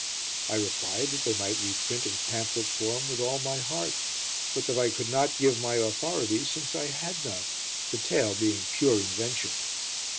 I replied that they might reprint in pamphlet form with all my heart, but that I could not give my authorities, since I had none, the tale being pure invention.